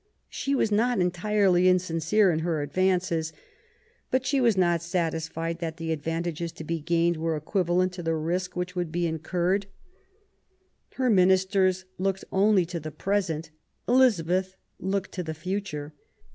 She was not entirely insincere in her advances; but she was not satisfied that the ad vantages to be gained were equivalent to the risk I02 QUEEN ELIZABETH, which would be incurred. Her ministers looked only to the present ; Elizabeth looked to the future.